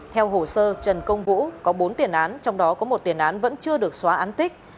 theo hồ sơ trần công vũ có bốn tiền án trong đó có một tiền án vẫn chưa được xóa án tích